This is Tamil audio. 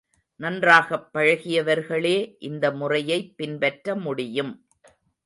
நன்றாகப் பழகியவர்களே இந்த முறையைப் பின்பற்ற முடியும்.